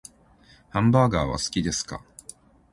ハンバーガーは好きですか？